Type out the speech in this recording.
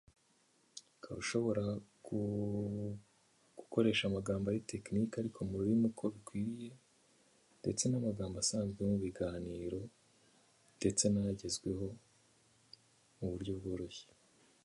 Watson coached baseball after retiring as a player.